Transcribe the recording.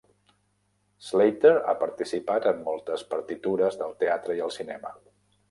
Slater ha participat en moltes partitures del teatre i el cinema.